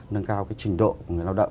nâng cao cái trình độ của người lao động